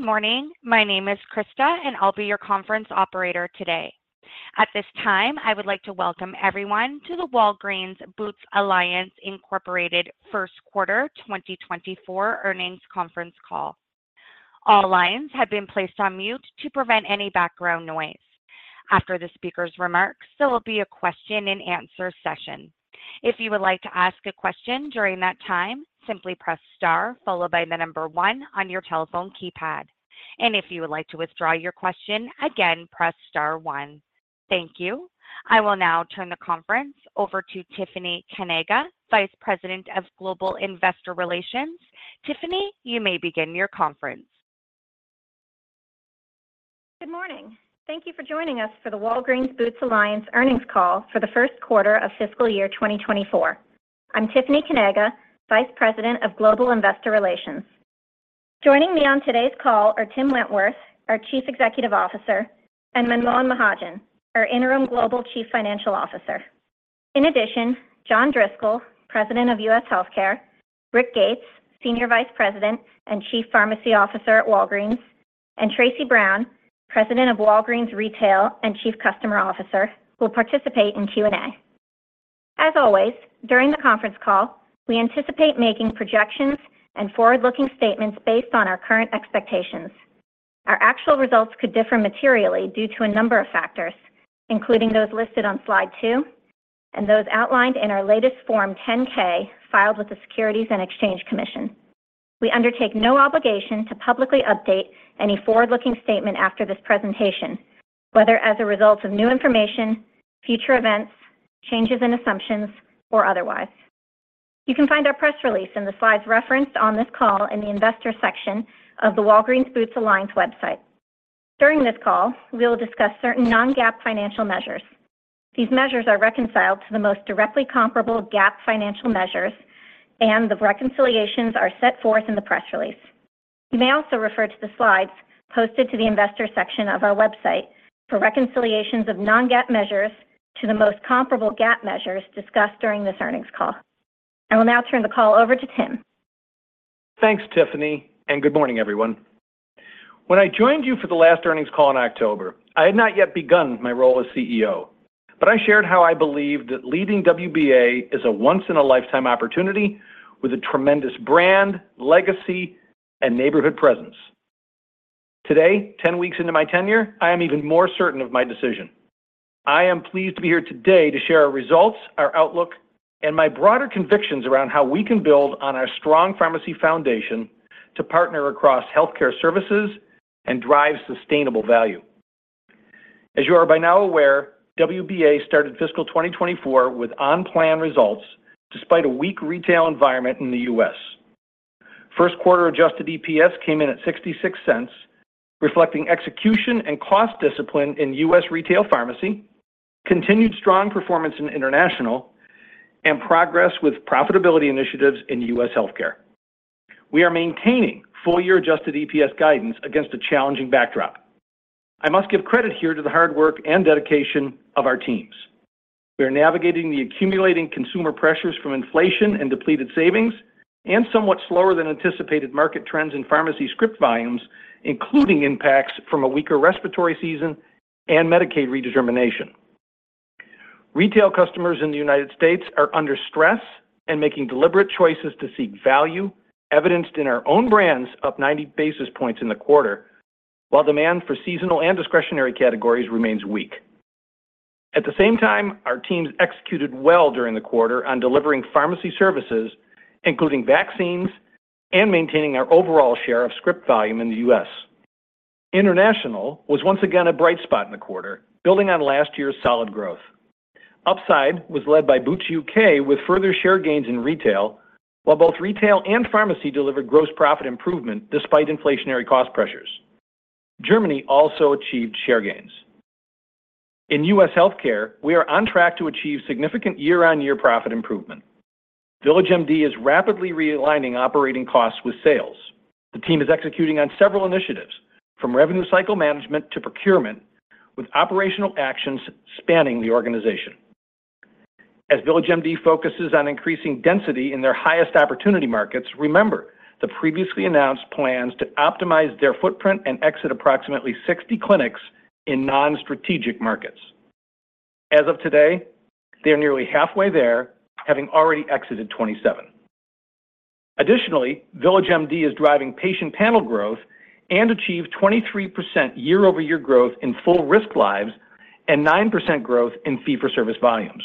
Good morning. My name is Krista, and I'll be your conference operator today. At this time, I would like to welcome everyone to the Walgreens Boots Alliance Incorporated first quarter 2024 earnings conference call. All lines have been placed on mute to prevent any background noise. After the speaker's remarks, there will be a question-and-answer session. If you would like to ask a question during that time, simply press star followed by the number one on your telephone keypad. If you would like to withdraw your question, again, press star one. Thank you. I will now turn the conference over to Tiffany Kanaga, Vice President of Global Investor Relations. Tiffany, you may begin your conference. Good morning. Thank you for joining us for the Walgreens Boots Alliance earnings call for the first quarter of fiscal year 2024. I'm Tiffany Kanaga, Vice President of Global Investor Relations. Joining me on today's call are Tim Wentworth, our Chief Executive Officer, and Manmohan Mahajan, our Interim Global Chief Financial Officer. In addition, John Driscoll, President of U.S. Healthcare, Rick Gates, Senior Vice President and Chief Pharmacy Officer at Walgreens, and Tracey Brown, President of Walgreens Retail and Chief Customer Officer, will participate in Q&A. As always, during the conference call, we anticipate making projections and forward-looking statements based on our current expectations. Our actual results could differ materially due to a number of factors, including those listed on slide 2 and those outlined in our latest Form 10-K, filed with the Securities and Exchange Commission. We undertake no obligation to publicly update any forward-looking statement after this presentation, whether as a result of new information, future events, changes in assumptions, or otherwise. You can find our press release and the slides referenced on this call in the investor section of the Walgreens Boots Alliance website. During this call, we will discuss certain non-GAAP financial measures. These measures are reconciled to the most directly comparable GAAP financial measures, and the reconciliations are set forth in the press release. You may also refer to the slides posted to the investor section of our website for reconciliations of non-GAAP measures to the most comparable GAAP measures discussed during this earnings call. I will now turn the call over to Tim. Thanks, Tiffany, and good morning, everyone. When I joined you for the last earnings call in October, I had not yet begun my role as CEO, but I shared how I believed that leading WBA is a once-in-a-lifetime opportunity with a tremendous brand, legacy, and neighborhood presence. Today, 10 weeks into my tenure, I am even more certain of my decision. I am pleased to be here today to share our results, our outlook, and my broader convictions around how we can build on our strong pharmacy foundation to partner across healthcare services and drive sustainable value. As you are by now aware, WBA started fiscal year 2024 with on-plan results despite a weak retail environment in the U.S. First quarter adjusted EPS came in at $0.66, reflecting execution and cost discipline in U.S. retail pharmacy, continued strong performance in international, and progress with profitability initiatives in U.S. healthcare. We are maintaining full-year adjusted EPS guidance against a challenging backdrop. I must give credit here to the hard work and dedication of our teams. We are navigating the accumulating consumer pressures from inflation and depleted savings and somewhat slower than anticipated market trends in pharmacy script volumes, including impacts from a weaker respiratory season and Medicaid redetermination. Retail customers in the U.S. are under stress and making deliberate choices to seek value, evidenced in our own brands up 90 basis points in the quarter, while demand for seasonal and discretionary categories remains weak. At the same time, our teams executed well during the quarter on delivering pharmacy services, including vaccines and maintaining our overall share of script volume in the U.S. International was once again a bright spot in the quarter, building on last year's solid growth. Upside was led by Boots UK, with further share gains in retail, while both retail and pharmacy delivered gross profit improvement despite inflationary cost pressures. Germany also achieved share gains. In U.S. healthcare, we are on track to achieve significant year-on-year profit improvement. VillageMD is rapidly realigning operating costs with sales. The team is executing on several initiatives, from revenue cycle management to procurement, with operational actions spanning the organization. As VillageMD focuses on increasing density in their highest opportunity markets, remember the previously announced plans to optimize their footprint and exit approximately 60 clinics in non-strategic markets. As of today, they are nearly halfway there, having already exited 27. Additionally, VillageMD is driving patient panel growth and achieved 23% year-over-year growth in full risk lives and 9% growth in fee-for-service volumes.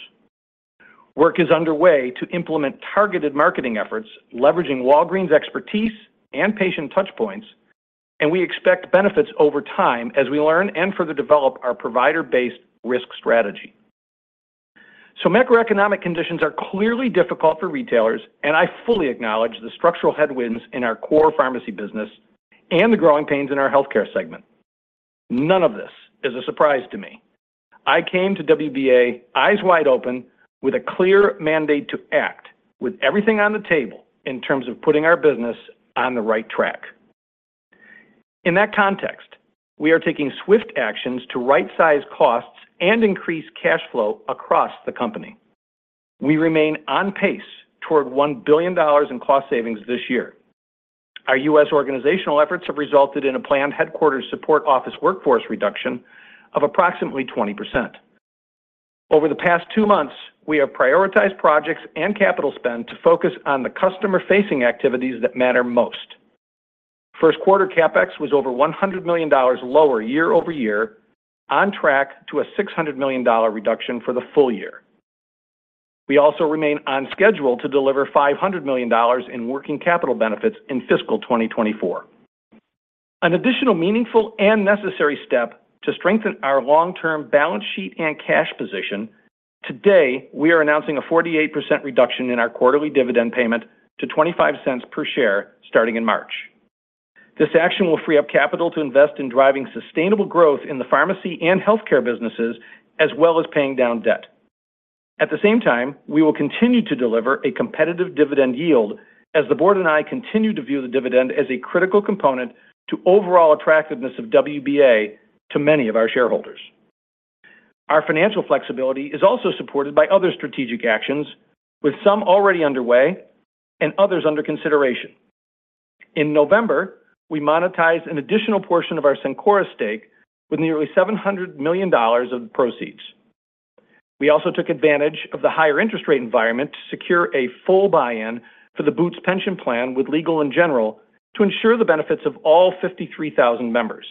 Work is underway to implement targeted marketing efforts, leveraging Walgreens' expertise and patient touch points, and we expect benefits over time as we learn and further develop our provider-based risk strategy. Macroeconomic conditions are clearly difficult for retailers, and I fully acknowledge the structural headwinds in our core pharmacy business and the growing pains in our healthcare segment. None of this is a surprise to me. I came to WBA eyes wide open with a clear mandate to act with everything on the table in terms of putting our business on the right track. In that context, we are taking swift actions to right-size costs and increase cash flow across the company. We remain on pace toward $1 billion in cost savings this year. Our U.S. organizational efforts have resulted in a planned headquarters support office workforce reduction of approximately 20%. Over the past two months, we have prioritized projects and capital spend to focus on the customer-facing activities that matter most. First quarter CapEx was over $100 million lower year-over-year, on track to a $600 million reduction for the full year. We also remain on schedule to deliver $500 million in working capital benefits in fiscal year 2024. An additional meaningful and necessary step to strengthen our long-term balance sheet and cash position. Today, we are announcing a 48% reduction in our quarterly dividend payment to $0.25 per share, starting in March. This action will free up capital to invest in driving sustainable growth in the pharmacy and healthcare businesses, as well as paying down debt. At the same time, we will continue to deliver a competitive dividend yield as the Board and I continue to view the dividend as a critical component to overall attractiveness of WBA to many of our shareholders. Our financial flexibility is also supported by other strategic actions, with some already underway and others under consideration. In November, we monetized an additional portion of our Cencora stake with nearly $700 million of the proceeds. We also took advantage of the higher interest rate environment to secure a full buy-in for the Boots pension plan with Legal & General to ensure the benefits of all 53,000 members.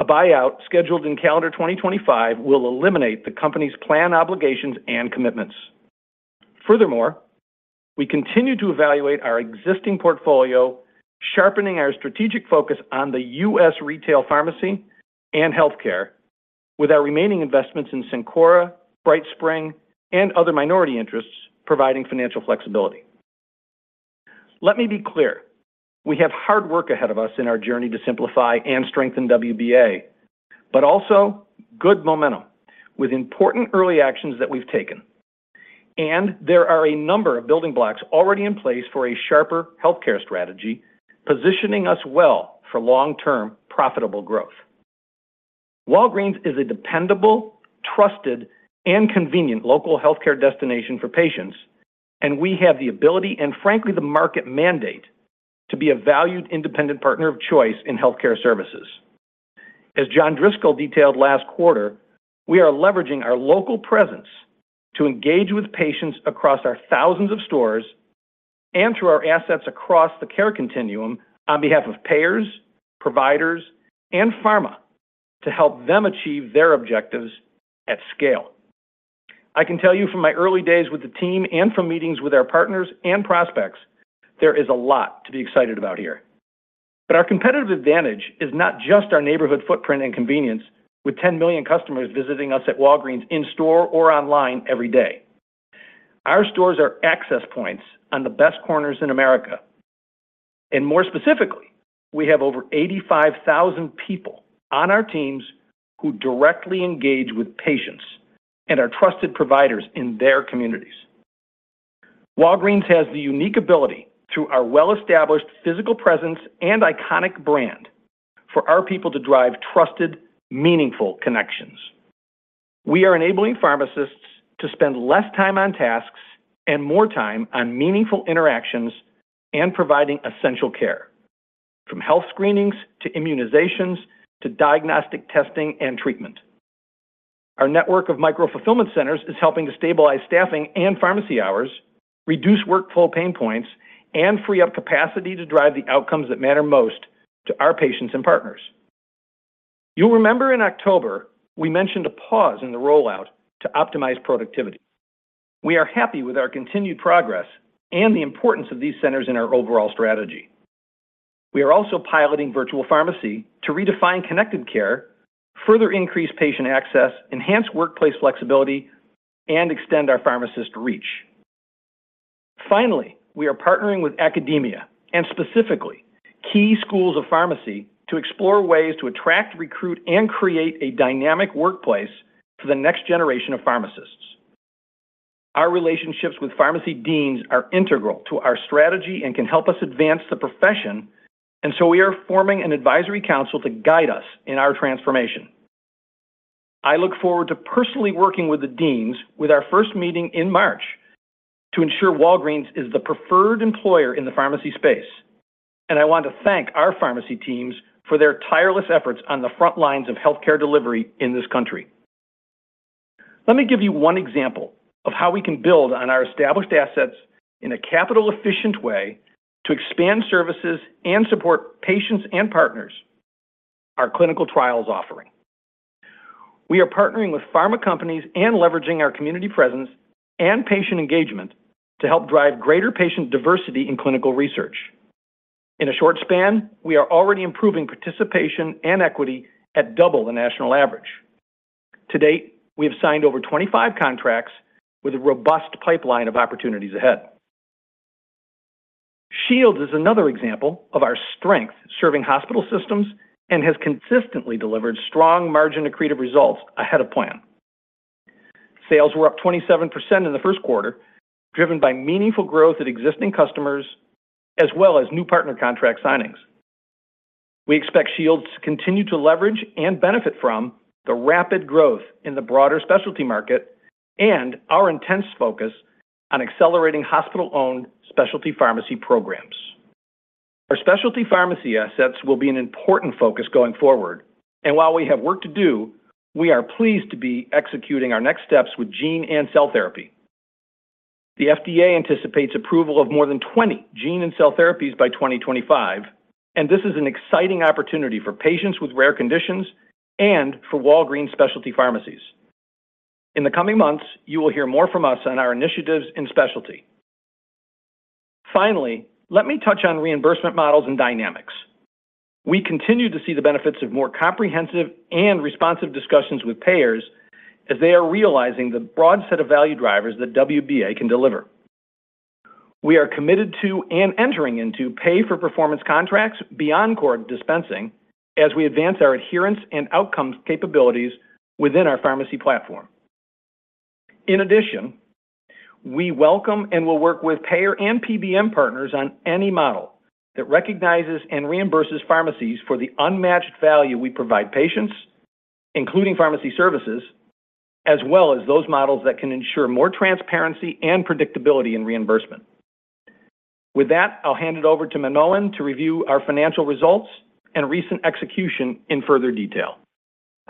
A buyout scheduled in calendar year 2025 will eliminate the company's plan, obligations, and commitments. Furthermore, we continue to evaluate our existing portfolio, sharpening our strategic focus on the U.S. retail pharmacy and healthcare, with our remaining investments in Cencora, BrightSpring, and other minority interests providing financial flexibility. Let me be clear: We have hard work ahead of us in our journey to simplify and strengthen WBA, but also good momentum with important early actions that we've taken. There are a number of building blocks already in place for a sharper healthcare strategy, positioning us well for long-term profitable growth. Walgreens is a dependable, trusted, and convenient local healthcare destination for patients, and we have the ability, and frankly, the market mandate, to be a valued independent partner of choice in healthcare services. As John Driscoll detailed last quarter, we are leveraging our local presence to engage with patients across our thousands of stores and through our assets across the care continuum on behalf of payers, providers, and pharma to help them achieve their objectives at scale. I can tell you from my early days with the team and from meetings with our partners and prospects, there is a lot to be excited about here. But our competitive advantage is not just our neighborhood footprint and convenience, with 10 million customers visiting us at Walgreens in store or online every day. Our stores are access points on the best corners in America, and more specifically, we have over 85,000 people on our teams who directly engage with patients and are trusted providers in their communities. Walgreens has the unique ability, through our well-established physical presence and iconic brand, for our people to drive trusted, meaningful connections. We are enabling pharmacists to spend less time on tasks and more time on meaningful interactions and providing essential care, from health screenings to immunizations, to diagnostic testing and treatment. Our network of micro-fulfillment centers is helping to stabilize staffing and pharmacy hours, reduce workflow pain points, and free up capacity to drive the outcomes that matter most to our patients and partners. You'll remember in October, we mentioned a pause in the rollout to optimize productivity. We are happy with our continued progress and the importance of these centers in our overall strategy. We are also piloting virtual pharmacy to redefine connected care, further increase patient access, enhance workplace flexibility, and extend our pharmacist reach. Finally, we are partnering with academia and specifically key schools of pharmacy, to explore ways to attract, recruit, and create a dynamic workplace for the next generation of pharmacists. Our relationships with pharmacy deans are integral to our strategy and can help us advance the profession, and so we are forming an advisory council to guide us in our transformation. I look forward to personally working with the deans with our first meeting in March to ensure Walgreens is the preferred employer in the pharmacy space, and I want to thank our pharmacy teams for their tireless efforts on the front lines of healthcare delivery in this country. Let me give you one example of how we can build on our established assets in a capital-efficient way to expand services and support patients and partners, our clinical trials offering. We are partnering with pharma companies and leveraging our community presence and patient engagement to help drive greater patient diversity in clinical research. In a short span, we are already improving participation and equity at double the national average. To date, we have signed over 25 contracts with a robust pipeline of opportunities ahead. Shields is another example of our strength serving hospital systems and has consistently delivered strong margin accretive results ahead of plan. Sales were up 27% in the first quarter, driven by meaningful growth at existing customers, as well as new partner contract signings.... We expect Shields Health Solutions to continue to leverage and benefit from the rapid growth in the broader specialty market and our intense focus on accelerating hospital-owned specialty pharmacy programs. Our specialty pharmacy assets will be an important focus going forward, and while we have work to do, we are pleased to be executing our next steps with gene and cell therapy. The FDA anticipates approval of more than 20 gene and cell therapies by 2025, and this is an exciting opportunity for patients with rare conditions and for Walgreens Specialty pharmacies. In the coming months, you will hear more from us on our initiatives in specialty. Finally, let me touch on reimbursement models and dynamics. We continue to see the benefits of more comprehensive and responsive discussions with payers as they are realizing the broad set of value drivers that WBA can deliver. We are committed to and entering into pay-for-performance contracts beyond core dispensing as we advance our adherence and outcomes capabilities within our pharmacy platform. In addition, we welcome and will work with payer and PBM partners on any model that recognizes and reimburses pharmacies for the unmatched value we provide patients, including pharmacy services, as well as those models that can ensure more transparency and predictability in reimbursement. With that, I'll hand it over to Manmohan to review our financial results and recent execution in further detail.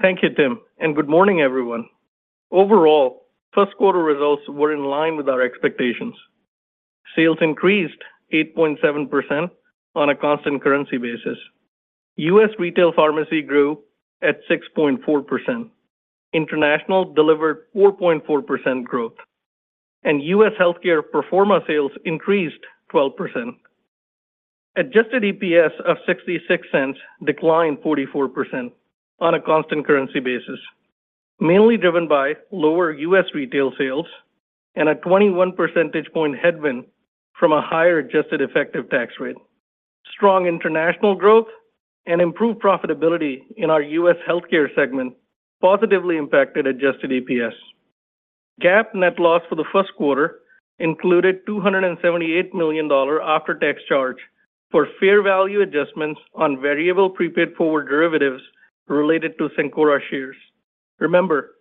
Thank you, Tim, and good morning, everyone. Overall, first quarter results were in line with our expectations. Sales increased 8.7% on a constant currency basis. U.S. retail pharmacy grew at 6.4%. International delivered 4.4% growth, and U.S. Healthcare pro forma sales increased 12%. Adjusted EPS of $0.66 declined 44% on a constant currency basis, mainly driven by lower U.S. retail sales and a 21 percentage point headwind from a higher adjusted effective tax rate. Strong international growth and improved profitability in our U.S. healthcare segment positively impacted adjusted EPS. GAAP net loss for the first quarter included $278 million after-tax charge for fair value adjustments on variable prepaid forward derivatives related to Cencora shares. Remember,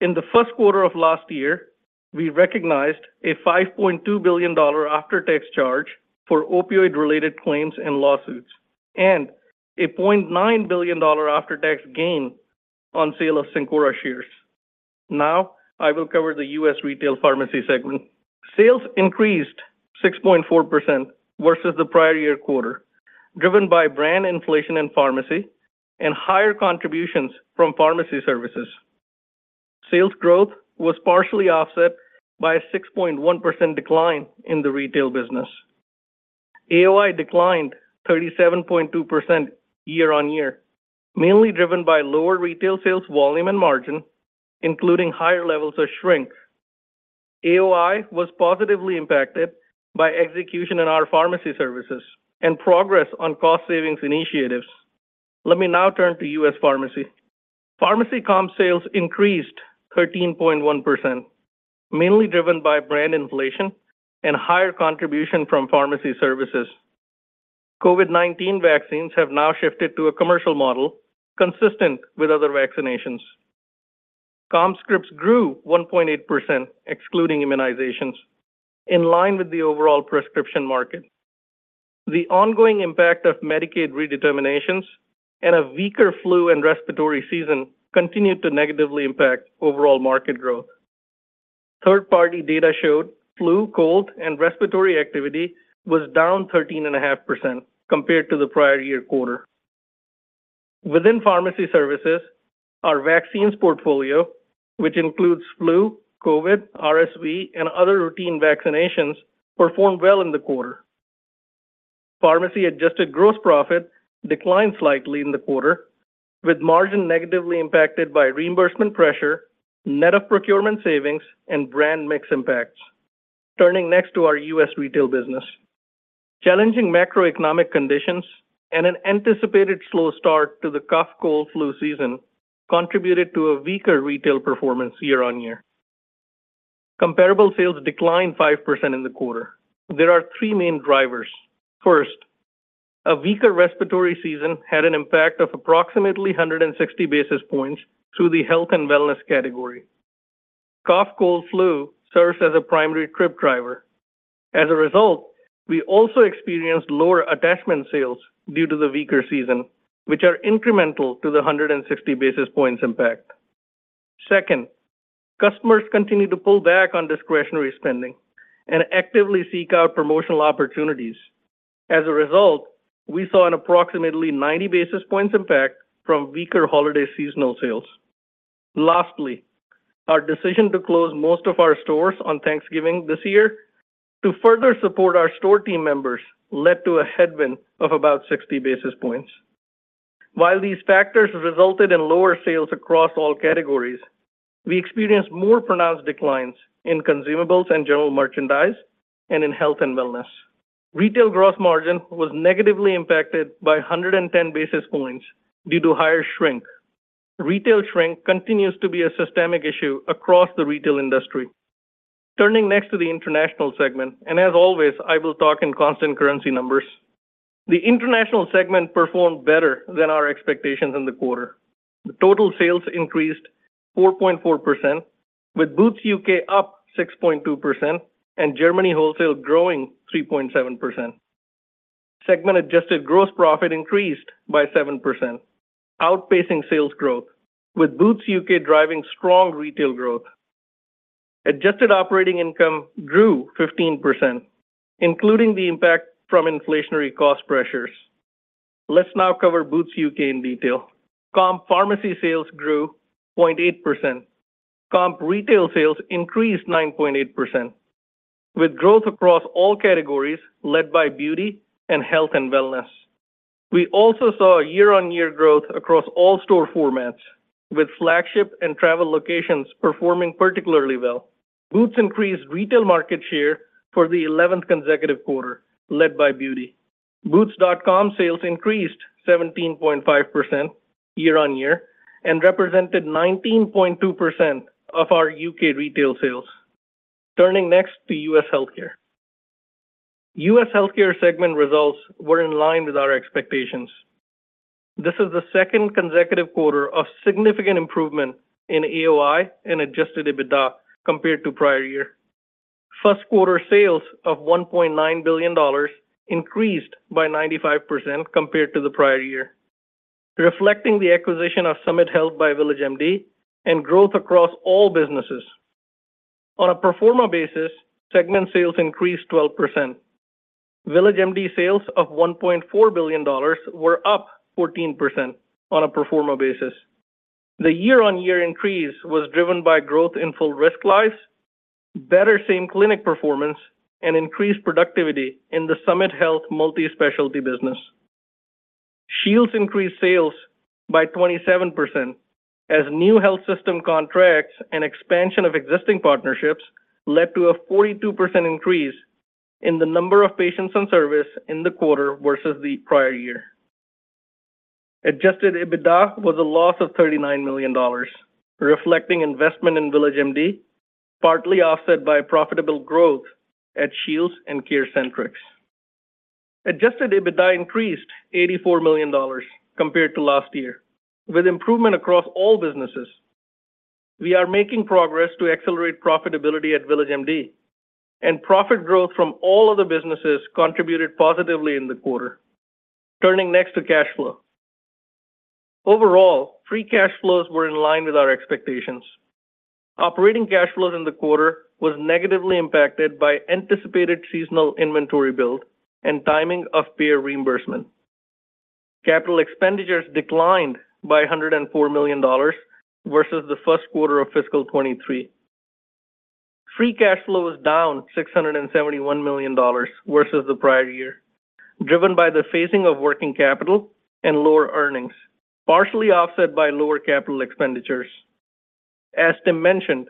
in the first quarter of last year, we recognized a $5.2 billion after-tax charge for opioid-related claims and lawsuits, and a $0.9 billion after-tax gain on sale of Cencora shares. Now, I will cover the U.S. retail pharmacy segment. Sales increased 6.4% versus the prior-year quarter, driven by brand inflation in pharmacy and higher contributions from pharmacy services. Sales growth was partially offset by a 6.1% decline in the retail business. AOI declined 37.2% year-on-year, mainly driven by lower retail sales volume and margin, including higher levels of shrink. AOI was positively impacted by execution in our pharmacy services and progress on cost savings initiatives. Let me now turn to U.S. Pharmacy. Pharmacy comp sales increased 13.1%, mainly driven by brand inflation and higher contribution from pharmacy services. COVID-19 vaccines have now shifted to a commercial model consistent with other vaccinations. Comp scripts grew 1.8%, excluding immunizations, in line with the overall prescription market. The ongoing impact of Medicaid redeterminations and a weaker flu and respiratory season continued to negatively impact overall market growth. Third-party data showed flu, cold, and respiratory activity was down 13.5% compared to the prior year quarter. Within pharmacy services, our vaccines portfolio, which includes flu, COVID, RSV, and other routine vaccinations, performed well in the quarter. Pharmacy adjusted gross profit declined slightly in the quarter, with margin negatively impacted by reimbursement pressure, net of procurement savings, and brand mix impacts. Turning next to our U.S. retail business. Challenging macroeconomic conditions and an anticipated slow start to the cough, cold, flu season contributed to a weaker retail performance year-on-year. Comparable sales declined 5% in the quarter. There are three main drivers. First, a weaker respiratory season had an impact of approximately 160 basis points to the Health & Wellness category. Cough, cold, flu serves as a primary trip driver. As a result, we also experienced lower attachment sales due to the weaker season, which are incremental to the 160 basis points impact. Second, customers continued to pull back on discretionary spending and actively seek out promotional opportunities. As a result, we saw an approximately 90 basis points impact from weaker holiday seasonal sales. Lastly, our decision to close most of our stores on Thanksgiving this year to further support our store team members led to a headwind of about 60 basis points. While these factors resulted in lower sales across all categories, we experienced more pronounced declines in consumables and general merchandise and in health & wellness. Retail gross margin was negatively impacted by 110 basis points due to higher shrink. Retail shrink continues to be a systemic issue across the retail industry. Turning next to the international segment, and as always, I will talk in constant currency numbers. The international segment performed better than our expectations in the quarter. The total sales increased 4.4%, with Boots UK up 6.2% and Germany wholesale growing 3.7%. Segment adjusted gross profit increased by 7%, outpacing sales growth, with Boots UK driving strong retail growth. Adjusted operating income grew 15%, including the impact from inflationary cost pressures. Let's now cover Boots UK in detail. Comp pharmacy sales grew 0.8%. Comparable retail sales increased 9.8%, with growth across all categories led by Beauty and Health & Wellness. We also saw a year-over-year growth across all store formats, with flagship and travel locations performing particularly well. Boots increased retail market share for the eleventh consecutive quarter, led by Beauty. Boots.com sales increased 17.5% year-over-year and represented 19.2% of our U.K. retail sales. Turning next to U.S. Healthcare. U.S. Healthcare segment results were in line with our expectations. This is the second consecutive quarter of significant improvement in AOI and adjusted EBITDA compared to prior year. First quarter sales of $1.9 billion increased by 95% compared to the prior year, reflecting the acquisition of Summit Health by VillageMD and growth across all businesses. On a pro forma basis, segment sales increased 12%. VillageMD sales of $1.4 billion were up 14% on a pro forma basis. The year-on-year increase was driven by growth in full risk lives, better same clinic performance, and increased productivity in the Summit Health multi-specialty business. Shields increased sales by 27%, as new health system contracts and expansion of existing partnerships led to a 42% increase in the number of patients on service in the quarter versus the prior year. Adjusted EBITDA was a loss of $39 million, reflecting investment in VillageMD, partly offset by profitable growth at Shields and CareCentrix. Adjusted EBITDA increased $84 million compared to last year, with improvement across all businesses. We are making progress to accelerate profitability at VillageMD, and profit growth from all of the businesses contributed positively in the quarter. Turning next to cash flow. Overall, free cash flows were in line with our expectations. Operating cash flows in the quarter was negatively impacted by anticipated seasonal inventory build and timing of payer reimbursement. Capital expenditures declined by $104 million versus the first quarter of fiscal 2023. Free cash flow was down $671 million versus the prior year, driven by the phasing of working capital and lower earnings, partially offset by lower capital expenditures. As Tim mentioned,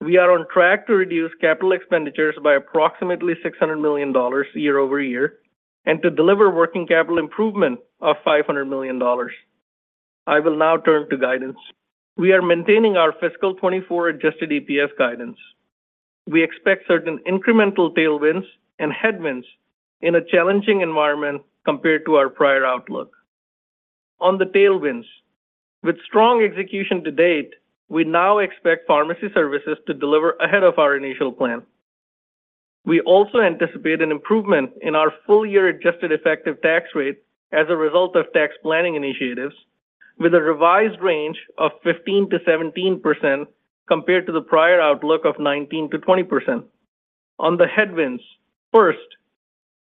we are on track to reduce capital expenditures by approximately $600 million year-over-year and to deliver working capital improvement of $500 million. I will now turn to guidance. We are maintaining our fiscal year 2024 adjusted EPS guidance. We expect certain incremental tailwinds and headwinds in a challenging environment compared to our prior outlook. On the tailwinds, with strong execution to date, we now expect pharmacy services to deliver ahead of our initial plan. We also anticipate an improvement in our full-year adjusted effective tax rate as a result of tax planning initiatives, with a revised range of 15%-17% compared to the prior outlook of 19%-20%. On the headwinds, first,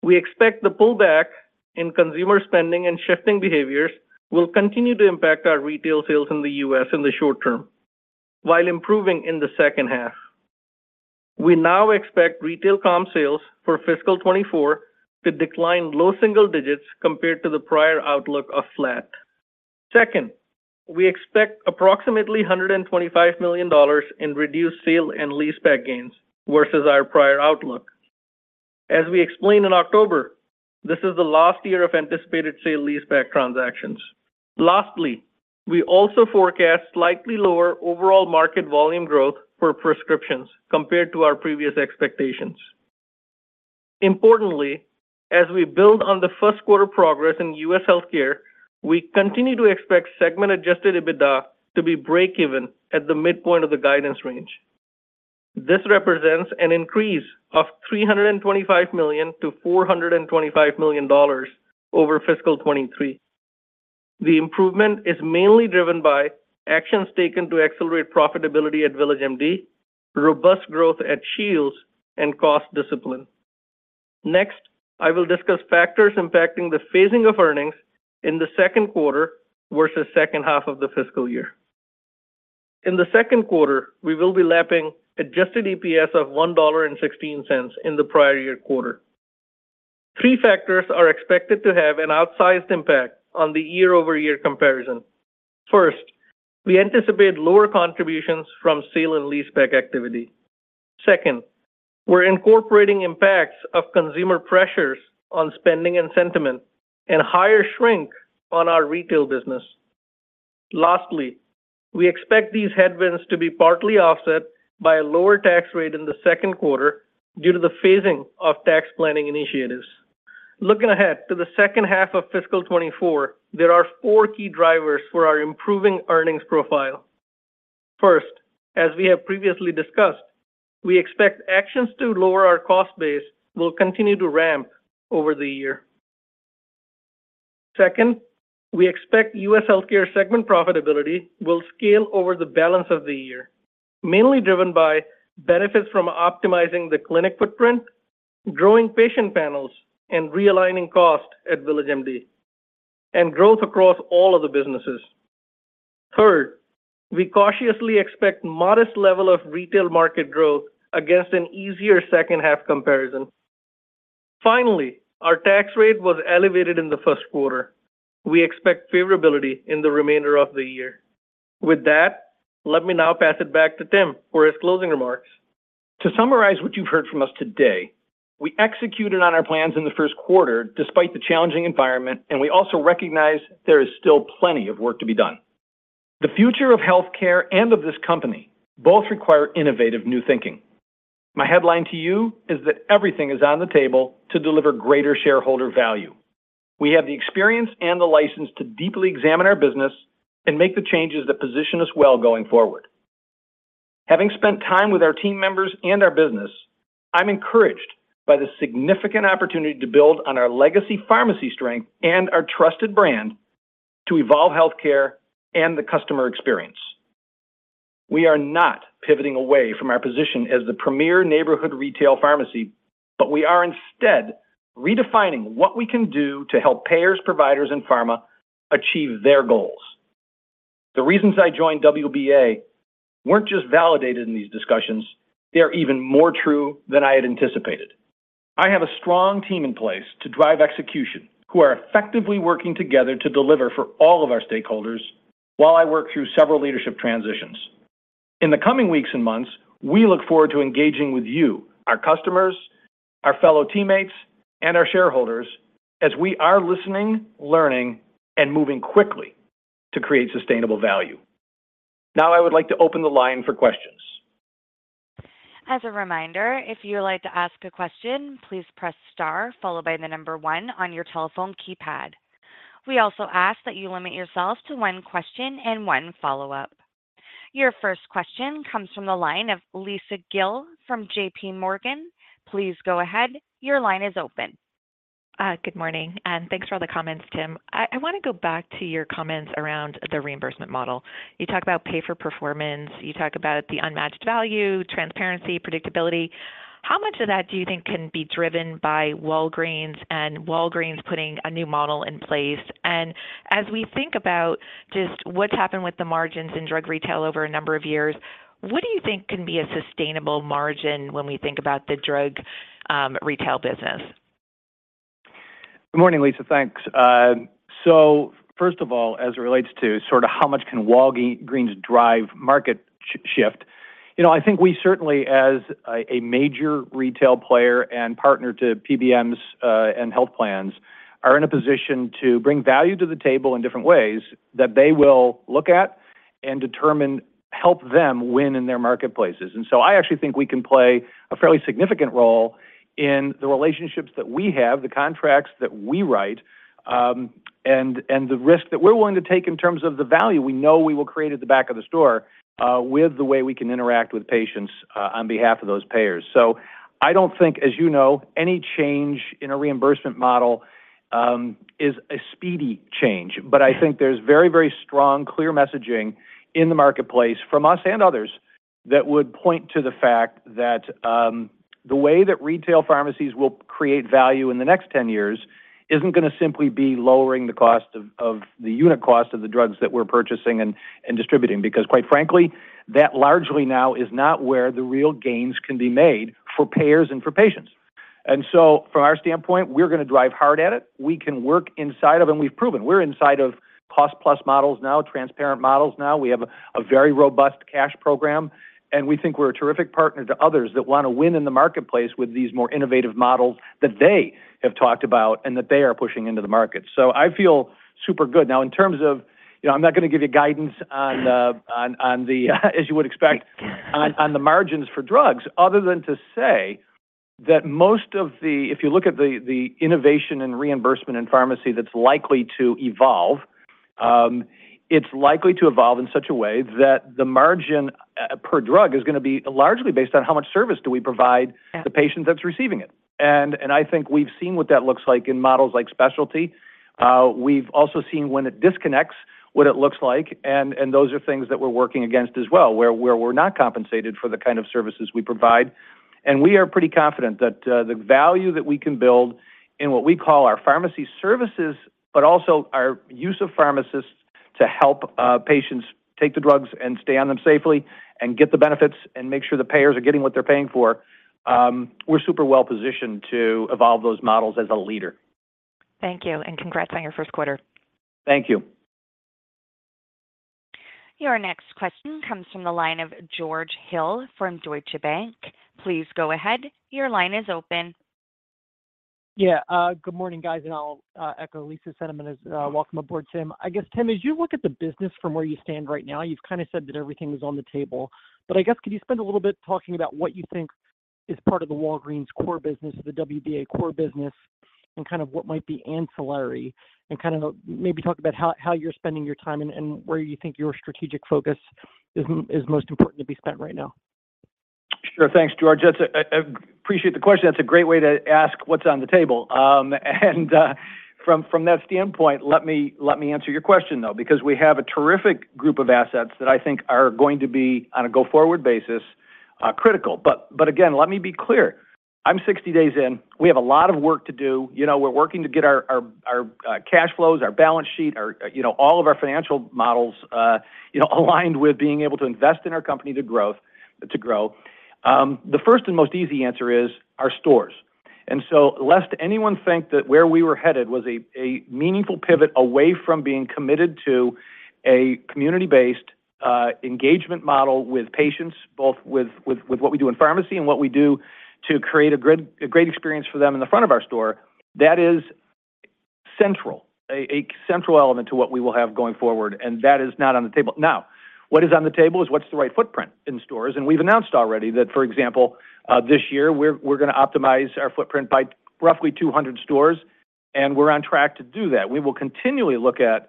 we expect the pullback in consumer spending and shifting behaviors will continue to impact our retail sales in the U.S. in the short term, while improving in the second half. We now expect retail comp sales for fiscal year 2024 to decline low single-digits compared to the prior outlook of flat. Second, we expect approximately $125 million in reduced sale-leaseback gains versus our prior outlook. As we explained in October, this is the last year of anticipated sale-leaseback transactions. Lastly, we also forecast slightly lower overall market volume growth for prescriptions compared to our previous expectations. Importantly, as we build on the first quarter progress in U.S. healthcare, we continue to expect segment adjusted EBITDA to be breakeven at the midpoint of the guidance range. This represents an increase of $325 million-$425 million over fiscal year 2023. The improvement is mainly driven by actions taken to accelerate profitability at VillageMD, robust growth at Shields, and cost discipline. Next, I will discuss factors impacting the phasing of earnings in the second quarter versus second half of the fiscal year. In the second quarter, we will be lapping adjusted EPS of $1.16 in the prior year quarter. Three factors are expected to have an outsized impact on the year-over-year comparison. First, we anticipate lower contributions from sale and leaseback activity. Second, we're incorporating impacts of consumer pressures on spending and sentiment and higher shrink on our retail business. Lastly, we expect these headwinds to be partly offset by a lower tax rate in the second quarter due to the phasing of tax planning initiatives. Looking ahead to the second half of fiscal year 2024, there are four key drivers for our improving earnings profile. First, as we have previously discussed, we expect actions to lower our cost base will continue to ramp over the year. Second, we expect U.S. Healthcare segment profitability will scale over the balance of the year, mainly driven by benefits from optimizing the clinic footprint, growing patient panels, and realigning costs at VillageMD, and growth across all of the businesses. Third, we cautiously expect modest level of retail market growth against an easier second half comparison. Finally, our tax rate was elevated in the first quarter. We expect favorability in the remainder of the year. With that, let me now pass it back to Tim for his closing remarks. To summarize what you've heard from us today, we executed on our plans in the first quarter despite the challenging environment, and we also recognize there is still plenty of work to be done. The future of healthcare and of this company both require innovative new thinking. My headline to you is that everything is on the table to deliver greater shareholder value. We have the experience and the license to deeply examine our business and make the changes that position us well going forward. Having spent time with our team members and our business, I'm encouraged by the significant opportunity to build on our legacy pharmacy strength and our trusted brand to evolve healthcare and the customer experience. We are not pivoting away from our position as the premier neighborhood retail pharmacy, but we are instead redefining what we can do to help payers, providers, and pharma achieve their goals. The reasons I joined WBA weren't just validated in these discussions, they are even more true than I had anticipated. I have a strong team in place to drive execution, who are effectively working together to deliver for all of our stakeholders, while I work through several leadership transitions. In the coming weeks and months, we look forward to engaging with you, our customers, our fellow teammates, and our shareholders, as we are listening, learning, and moving quickly to create sustainable value. Now, I would like to open the line for questions. As a reminder, if you would like to ask a question, please press star followed by the number one on your telephone keypad. We also ask that you limit yourself to one question and one follow-up. Your first question comes from the line of Lisa Gill from J.P. Morgan. Please go ahead. Your line is open. Good morning, and thanks for all the comments, Tim. I wanna go back to your comments around the reimbursement model. You talk about pay for performance, you talk about the unmatched value, transparency, predictability. How much of that do you think can be driven by Walgreens and Walgreens putting a new model in place? And as we think about just what's happened with the margins in drug retail over a number of years, what do you think can be a sustainable margin when we think about the drug retail business? Good morning, Lisa. Thanks. So first of all, as it relates to sort of how much can Walgreens drive market shift, you know, I think we certainly, as a major retail player and partner to PBMs and health plans, are in a position to bring value to the table in different ways that they will look at and determine help them win in their marketplaces. And so I actually think we can play a fairly significant role in the relationships that we have, the contracts that we write, and the risk that we're willing to take in terms of the value we know we will create at the back of the store, with the way we can interact with patients on behalf of those payers. So I don't think, as you know, any change in a reimbursement model is a speedy change. But I think there's very, very strong, clear messaging in the marketplace from us and others that would point to the fact that, the way that retail pharmacies will create value in the next 10 years isn't gonna simply be lowering the cost of, of the unit cost of the drugs that we're purchasing and, and distributing. Because quite frankly, that largely now is not where the real gains can be made for payers and for patients. And so from our standpoint, we're gonna drive hard at it. We can work inside of, and we've proven, we're inside of cost-plus models now, transparent models now. We have a very robust cash program, and we think we're a terrific partner to others that wanna win in the marketplace with these more innovative models that they have talked about and that they are pushing into the market. So I feel super good. Now, in terms of... You know, I'm not gonna give you guidance on, as you would expect, on the margins for drugs, other than to say that most of the, if you look at the innovation in reimbursement and pharmacy that's likely to evolve, it's likely to evolve in such a way that the margin per drug is gonna be largely based on how much service do we provide the patient that's receiving it. Yeah. And I think we've seen what that looks like in models like Walgreens Specialty Pharmacy. We've also seen when it disconnects, what it looks like, and those are things that we're working against as well, where we're not compensated for the kind of services we provide. And we are pretty confident that the value that we can build in what we call our pharmacy services, but also our use of pharmacists to help patients take the drugs and stay on them safely and get the benefits and make sure the payers are getting what they're paying for, we're super well positioned to evolve those models as a leader. Thank you, and congrats on your first quarter. Thank you. Your next question comes from the line of George Hill from Deutsche Bank. Please go ahead. Your line is open. Yeah, good morning, guys, and I'll echo Lisa's sentiment as welcome aboard, Tim. I guess, Tim, as you look at the business from where you stand right now, you've kind of said that everything is on the table. But I guess, could you spend a little bit talking about what you think is part of the Walgreens core business or the WBA core business, and kind of what might be ancillary? And kind of maybe talk about how you're spending your time and where you think your strategic focus is most important to be spent right now. Sure. Thanks, George. That's, I appreciate the question. That's a great way to ask what's on the table. From that standpoint, let me answer your question, though, because we have a terrific group of assets that I think are going to be, on a go-forward basis, critical. But again, let me be clear, I'm 60 days in. We have a lot of work to do. You know, we're working to get our cash flows, our balance sheet, our, you know, all of our financial models, you know, aligned with being able to invest in our company to growth, to grow. The first and most easy answer is our stores. And so lest anyone think that where we were headed was a meaningful pivot away from being committed to a community-based engagement model with patients, both with what we do in pharmacy and what we do to create a great experience for them in the front of our store, that is a central element to what we will have going forward, and that is not on the table. Now, what is on the table is what's the right footprint in stores, and we've announced already that, for example, this year, we're gonna optimize our footprint by roughly 200 stores, and we're on track to do that. We will continually look at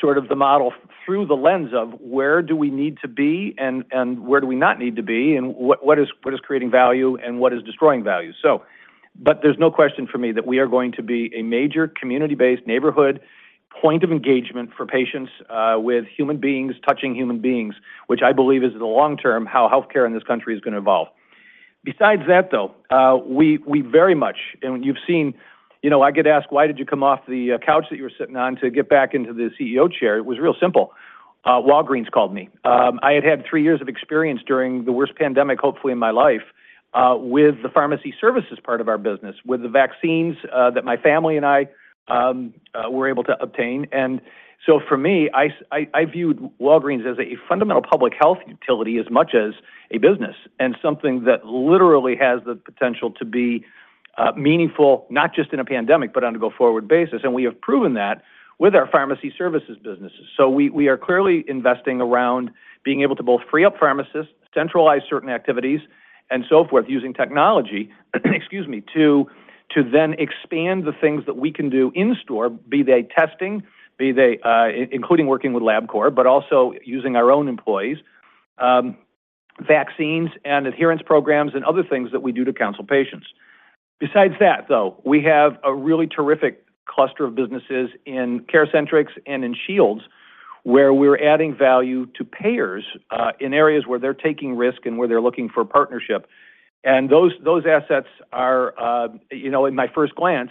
sort of the model through the lens of where do we need to be and where do we not need to be, and what is creating value and what is destroying value? So, but there's no question for me that we are going to be a major community-based neighborhood point of engagement for patients with human beings touching human beings, which I believe is, in the long term, how healthcare in this country is going to evolve. Besides that, though, we very much... You've seen, you know, I get asked, "Why did you come off the couch that you were sitting on to get back into the Chief Executive Officer chair?" It was real simple. Walgreens called me. I had had three years of experience during the worst pandemic, hopefully, in my life, with the pharmacy services part of our business, with the vaccines, that my family and I were able to obtain. And so for me, I viewed Walgreens as a fundamental public health utility as much as a business, and something that literally has the potential to be meaningful, not just in a pandemic, but on a go-forward basis, and we have proven that with our pharmacy services businesses. So we are clearly investing around being able to both free up pharmacists, centralize certain activities, and so forth, using technology, excuse me, to then expand the things that we can do in-store, be they testing, be they including working with Labcorp, but also using our own employees, vaccines and adherence programs and other things that we do to counsel patients. Besides that, though, we have a really terrific cluster of businesses in CareCentrix and in Shields, where we're adding value to payers in areas where they're taking risk and where they're looking for partnership. And those assets are, you know, in my first glance,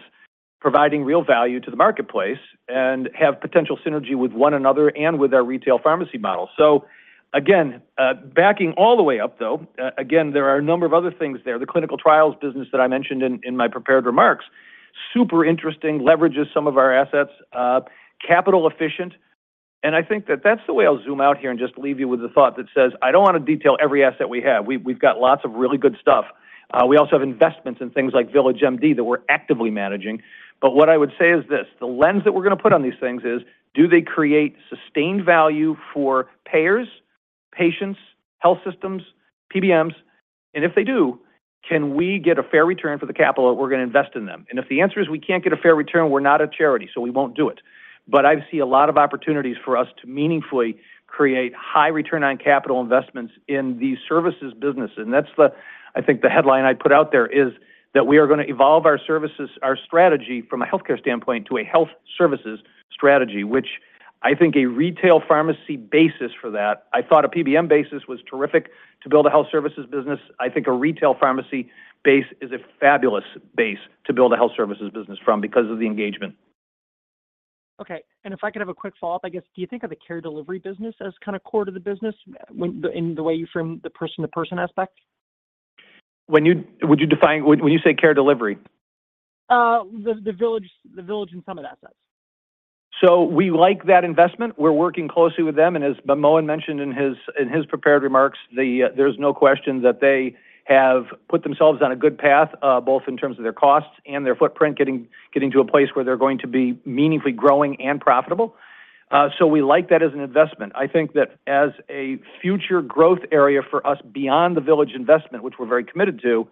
providing real value to the marketplace and have potential synergy with one another and with our retail pharmacy model. So again, backing all the way up, though, again, there are a number of other things there. The clinical trials business that I mentioned in my prepared remarks, super interesting, leverages some of our assets, capital efficient, and I think that that's the way I'll zoom out here and just leave you with a thought that says, I don't want to detail every asset we have. We've got lots of really good stuff. We also have investments in things like VillageMD that we're actively managing. But what I would say is this: The lens that we're going to put on these things is, do they create sustained value for payers, patients, health systems, PBMs? And if they do, can we get a fair return for the capital that we're going to invest in them? If the answer is we can't get a fair return, we're not a charity, so we won't do it. But I see a lot of opportunities for us to meaningfully create high return on capital investments in the services business. That's the, I think the headline I'd put out there, is that we are going to evolve our services, our strategy from a healthcare standpoint to a health services strategy, which I think a retail pharmacy basis for that... I thought a PBM basis was terrific to build a health services business. I think a retail pharmacy base is a fabulous base to build a health services business from because of the engagement. Okay, and if I could have a quick follow-up, I guess. Do you think of the care delivery business as kind of core to the business when thinking from the person-to-person aspect? Would you define when you say care delivery? The VillageMD and some of the assets. So we like that investment. We're working closely with them, and as Manmohan mentioned in his prepared remarks, there's no question that they have put themselves on a good path, both in terms of their costs and their footprint, getting to a place where they're going to be meaningfully growing and profitable. So we like that as an investment. I think that as a future growth area for us beyond the VillageMD investment, which we're very committed to,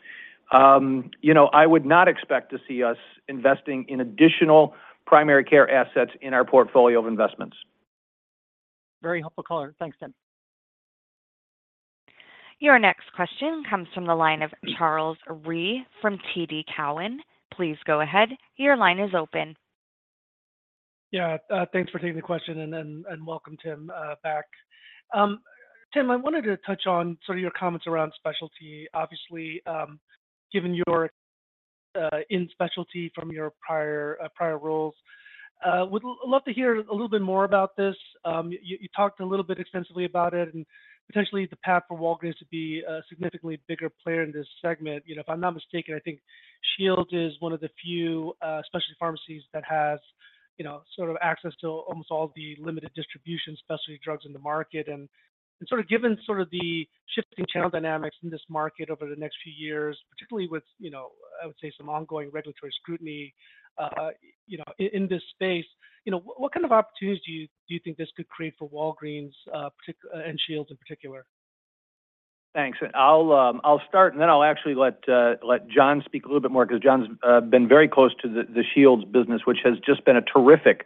you know, I would not expect to see us investing in additional primary care assets in our portfolio of investments. Very helpful color. Thanks, Tim. Your next question comes from the line of Charles Rhyee from TD Cowen. Please go ahead. Your line is open. Yeah, thanks for taking the question, and then, and welcome, Tim, back. Tim, I wanted to touch on sort of your comments around specialty. Obviously, given your in specialty from your prior, prior roles, would love to hear a little bit more about this. You talked a little bit extensively about it and potentially the path for Walgreens to be a significantly bigger player in this segment. You know, if I'm not mistaken, I think Shields is one of the few specialty pharmacies that has, you know, sort of access to almost all the limited distribution specialty drugs in the market. And given the shifting channel dynamics in this market over the next few years, particularly with, you know, I would say some ongoing regulatory scrutiny, you know, in this space, you know, what kind of opportunities do you think this could create for Walgreens, particularly and Shields in particular? Thanks. I'll start, and then I'll actually let John speak a little bit more, because John's been very close to the Shields business, which has just been a terrific,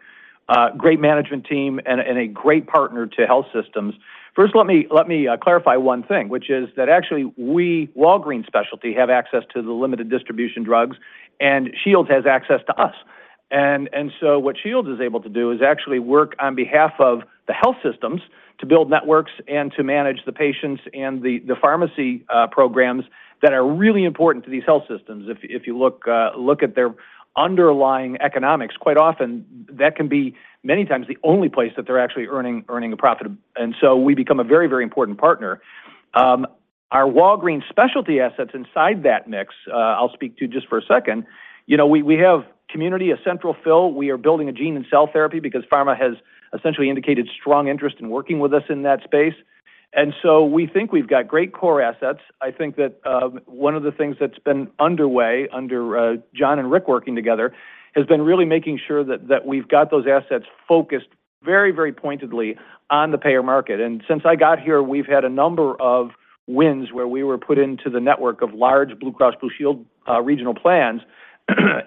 great management team and a great partner to health systems. First, let me clarify one thing, which is that actually we, Walgreens Specialty Pharmacy, have access to the limited distribution drugs, and Shields has access to us. And so what Shields is able to do is actually work on behalf of the health systems to build networks and to manage the patients and the pharmacy programs that are really important to these health systems. If you look at their underlying economics, quite often, that can be many times the only place that they're actually earning a profit. And so we become a very, very important partner. Our Walgreens Specialty Pharmacy assets inside that mix, I'll speak to just for a second. You know, we have community, a central fill. We are building a gene and cell therapy because pharma has essentially indicated strong interest in working with us in that space, and so we think we've got great core assets. I think that one of the things that's been underway under John and Rick working together has been really making sure that we've got those assets focused very, very pointedly on the payer market. And since I got here, we've had a number of wins where we were put into the network of large Blue Cross Blue Shield regional plans,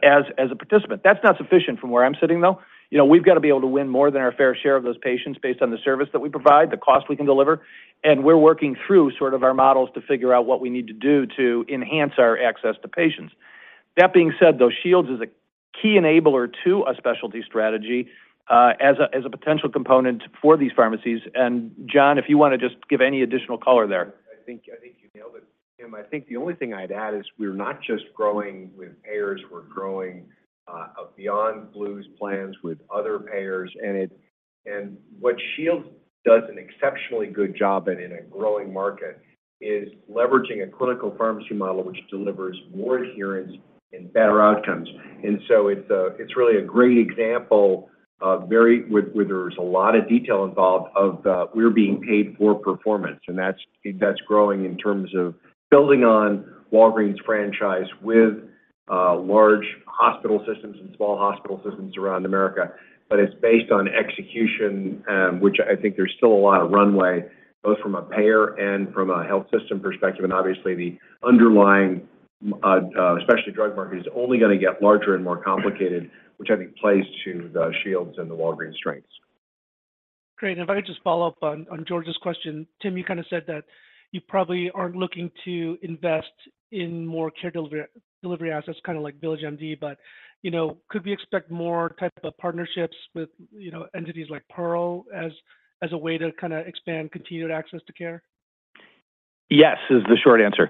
as a participant. That's not sufficient from where I'm sitting, though. You know, we've got to be able to win more than our fair share of those patients based on the service that we provide, the cost we can deliver, and we're working through sort of our models to figure out what we need to do to enhance our access to patients. That being said, though, Shields is a key enabler to a specialty strategy, as a potential component for these pharmacies. John, if you wanna just give any additional color there. I think, I think you nailed it, Tim. I think the only thing I'd add is we're not just growing with payers, we're growing beyond Blue Cross Blue Shield plans with other payers. And what Shields does an exceptionally good job at in a growing market is leveraging a clinical pharmacy model, which delivers more adherence and better outcomes. And so it's really a great example of where there's a lot of detail involved of we're being paid for performance, and that's growing in terms of building on Walgreens' franchise with large hospital systems and small hospital systems around America. But it's based on execution, which I think there's still a lot of runway, both from a payer and from a health system perspective. Obviously, the underlying specialty drug market is only gonna get larger and more complicated, which I think plays to the Shields and the Walgreens' strengths. Great. If I could just follow up on George's question. Tim, you kind of said that you probably aren't looking to invest in more care delivery assets, kind of like VillageMD, but you know, could we expect more types of partnerships with, you know, entities like Pearl as a way to kind of expand continued access to care? Yes, is the short answer.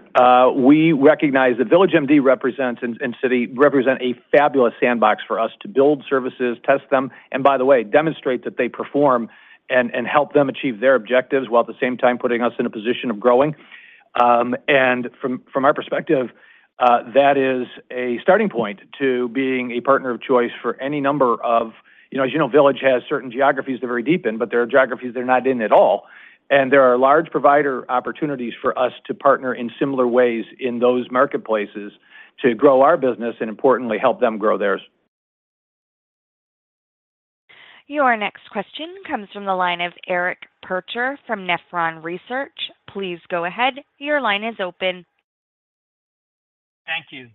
We recognize that VillageMD represents and CityMD represent a fabulous sandbox for us to build services, test them, and by the way, demonstrate that they perform and help them achieve their objectives, while at the same time putting us in a position of growing. And from our perspective, that is a starting point to being a partner of choice for any number of... You know, as you know, VillageMD has certain geographies they're very deep in, but there are geographies they're not in at all. And there are large provider opportunities for us to partner in similar ways in those marketplaces to grow our business, and importantly, help them grow theirs. Your next question comes from the line of Eric Percher from Nephron Research. Please go ahead. Your line is open. Thank you.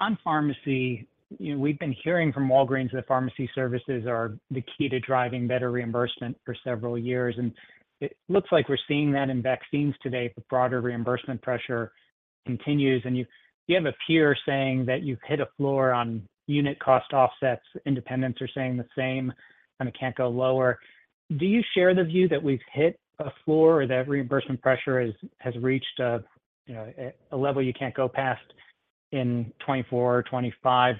On pharmacy, you know, we've been hearing from Walgreens that pharmacy services are the key to driving better reimbursement for several years, and it looks like we're seeing that in vaccines today, but broader reimbursement pressure continues. And you, you have a peer saying that you've hit a floor on unit cost offsets. Independents are saying the same, and it can't go lower. Do you share the view that we've hit a floor or that reimbursement pressure has, has reached a, you know, a level you can't go past in 2024, 2025?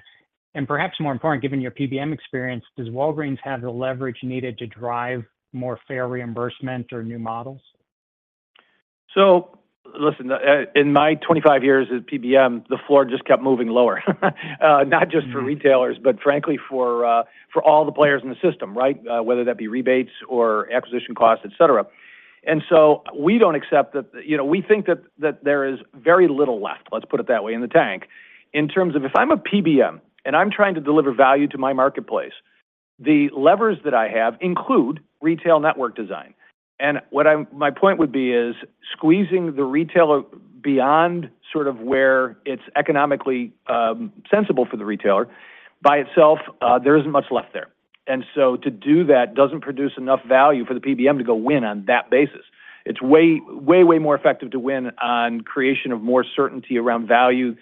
And perhaps more important, given your PBM experience, does Walgreens have the leverage needed to drive more fair reimbursement or new models? So listen, in my 25 years at PBM, the floor just kept moving lower. Not just for retailers, but frankly for, for all the players in the system, right? Whether that be rebates or acquisition costs, et cetera. And so we don't accept that. You know, we think that, that there is very little left, let's put it that way, in the tank. In terms of if I'm a PBM and I'm trying to deliver value to my marketplace, the levers that I have include retail network design. And what my point would be is, squeezing the retailer beyond sort of where it's economically, sensible for the retailer, by itself, there isn't much left there. And so to do that doesn't produce enough value for the PBM to go win on that basis. It's way, way, way more effective to win on creation of more certainty around value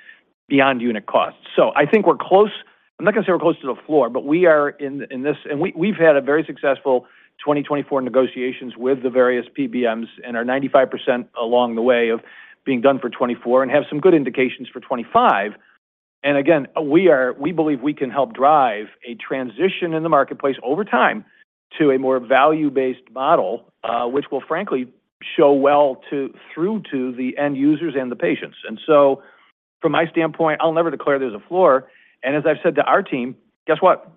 beyond unit cost. So I think we're close. I'm not gonna say we're close to the floor, but we are in this. And we, we've had a very successful 2024 negotiations with the various PBMs, and are 95% along the way of being done for 2024, and have some good indications for 2025. And again, we are. We believe we can help drive a transition in the marketplace over time to a more value-based model, which will frankly show well to, through to the end users and the patients. And so from my standpoint, I'll never declare there's a floor, and as I've said to our team: "Guess what?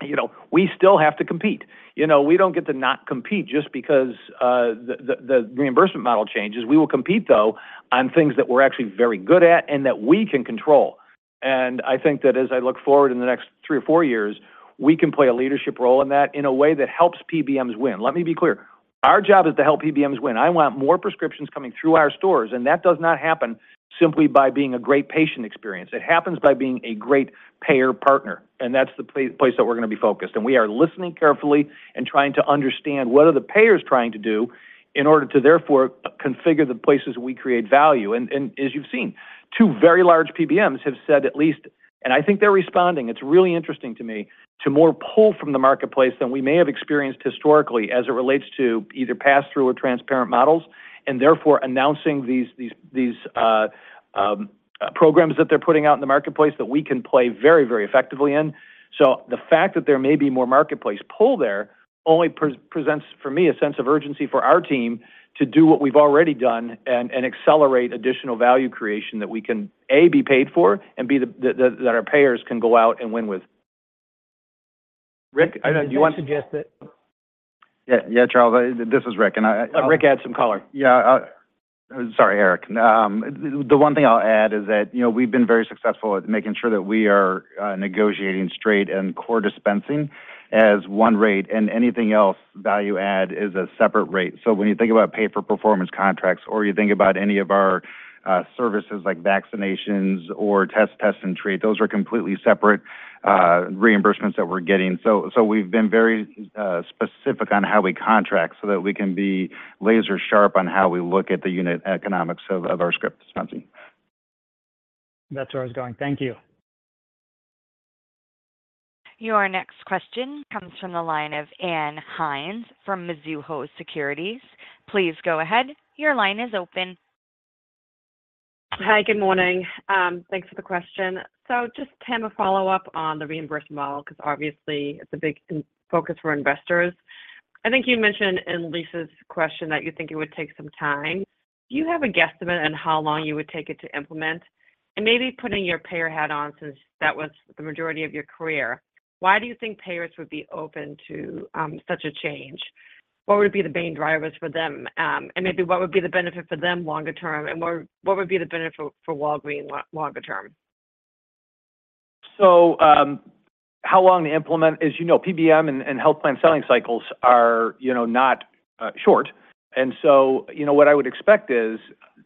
You know, we still have to compete." "You know, we don't get to not compete just because the reimbursement model changes. We will compete, though, on things that we're actually very good at and that we can control." And I think that as I look forward in the next three or four years, we can play a leadership role in that in a way that helps PBMs win. Let me be clear, our job is to help PBMs win. I want more prescriptions coming through our stores, and that does not happen simply by being a great patient experience. It happens by being a great payer partner, and that's the place that we're gonna be focused. And we are listening carefully and trying to understand what are the payers trying to do in order to therefore configure the places we create value. As you've seen, two very large PBMs have said at least, and I think they're responding. It's really interesting to me to more pull from the marketplace than we may have experienced historically as it relates to either pass-through or transparent models, and therefore announcing these programs that they're putting out in the marketplace that we can play very, very effectively in. So the fact that there may be more marketplace pull there only presents, for me, a sense of urgency for our team to do what we've already done and accelerate additional value creation that we can, A, be paid for, and B, that our payers can go out and win with. Rick, do you want- I suggest that- Yeah, yeah, Charles, this is Rick. Rick, add some color. Yeah, sorry, Eric. The one thing I'll add is that, you know, we've been very successful at making sure that we are negotiating straight and core dispensing as one rate, and anything else, value-add, is a separate rate. So when you think about pay-for-performance contracts, or you think about any of our services, like vaccinations or test and treat, those are completely separate reimbursements that we're getting. So we've been very specific on how we contract so that we can be laser sharp on how we look at the unit economics of our script dispensing. That's where I was going. Thank you. Your next question comes from the line of Ann Hynes from Mizuho Securities. Please go ahead, your line is open. Hi, good morning. Thanks for the question. So just, Tim, a follow-up on the reimbursement model because obviously it's a big focus for investors. I think you mentioned in Lisa's question that you think it would take some time. Do you have a guesstimate on how long you would take it to implement? And maybe putting your payer hat on, since that was the majority of your career, why do you think payers would be open to such a change? What would be the main drivers for them? And maybe what would be the benefit for them longer term, and what would be the benefit for Walgreens longer term? So, how long to implement? As you know, PBM and health plan selling cycles are, you know, not short. And so, you know, what I would expect is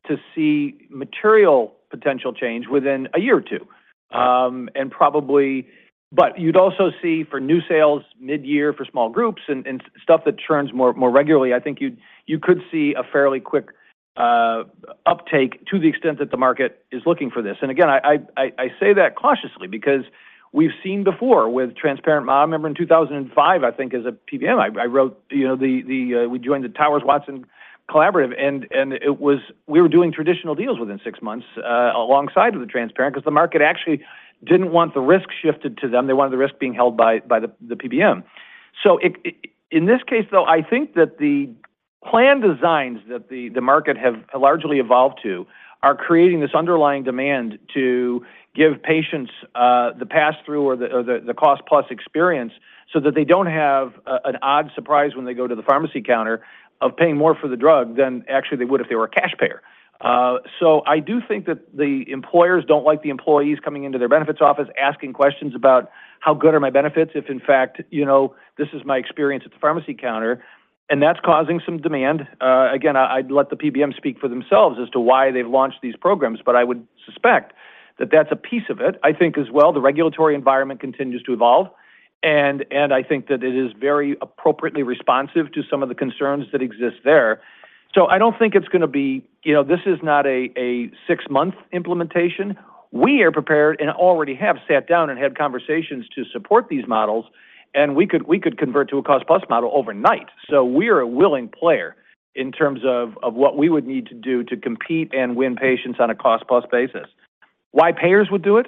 to see material potential change within a year or two. And probably - but you'd also see, for new sales, mid-year for small groups and stuff that churns more regularly, I think you could see a fairly quick uptake to the extent that the market is looking for this. And again, I say that cautiously because we've seen before with transparent model. I remember in 2005, I think, as a PBM, I wrote, you know, the, we joined the Towers Watson collaborative, and it was. We were doing traditional deals within six months, alongside of the transparent because the market actually didn't want the risk shifted to them. They wanted the risk being held by, by the, the PBM. So in this case, though, I think that the plan designs that the, the market have largely evolved to, are creating this underlying demand to give patients, the pass-through or the, or the, the cost-plus experience, so that they don't have a, an odd surprise when they go to the pharmacy counter of paying more for the drug than actually they would if they were a cash payer. So I do think that the employers don't like the employees coming into their benefits office, asking questions about how good are my benefits, if in fact, you know, this is my experience at the pharmacy counter? And that's causing some demand. Again, I'd let the PBM speak for themselves as to why they've launched these programs, but I would suspect that that's a piece of it. I think as well, the regulatory environment continues to evolve, and I think that it is very appropriately responsive to some of the concerns that exist there. So I don't think it's gonna be... You know, this is not a six-month implementation. We are prepared and already have sat down and had conversations to support these models, and we could convert to a cost-plus model overnight. So we are a willing player in terms of what we would need to do to compete and win patients on a cost-plus basis. Why payers would do it?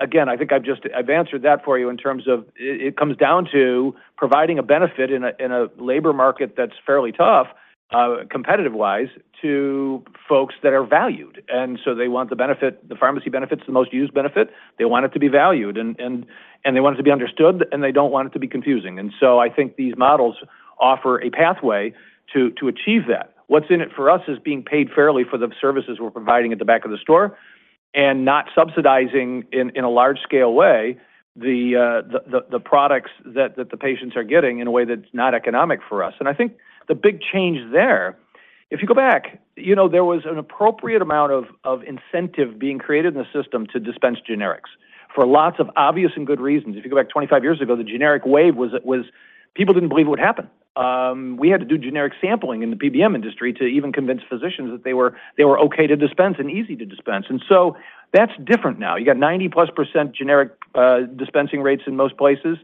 Again, I think I've just answered that for you in terms of it comes down to providing a benefit in a labor market that's fairly tough, competitive-wise, to folks that are valued. And so they want the benefit, the pharmacy benefit's the most used benefit. They want it to be valued, and they want it to be understood, and they don't want it to be confusing. And so I think these models offer a pathway to achieve that. What's in it for us is being paid fairly for the services we're providing at the back of the store and not subsidizing, in a large-scale way, the products that the patients are getting in a way that's not economic for us. And I think the big change there, if you go back, you know, there was an appropriate amount of incentive being created in the system to dispense generics for lots of obvious and good reasons. If you go back 25 years ago, the generic wave was, people didn't believe it would happen. We had to do generic sampling in the PBM industry to even convince physicians that they were okay to dispense and easy to dispense. And so that's different now. You got 90%+ generic dispensing rates in most places,